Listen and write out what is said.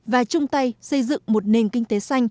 và chung tay xây dựng một nền kinh tế tuần hoàn